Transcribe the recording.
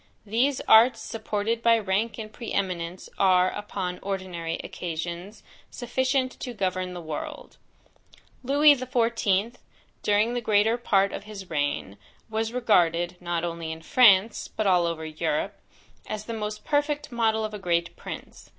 These arts, supported by rank and pre eminence, are, upon ordinary occasions, sufficient to govern the world. Lewis XIV. during the greater part of his reign, was regarded, not only in France, but over all Europe, as the most perfect model of a great prince.